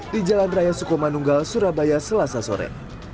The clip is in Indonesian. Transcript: di jalan raya sukomanunggal surabaya selasa sore